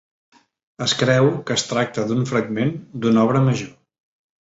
Es creu que es tracta d'un fragment d'una obra major.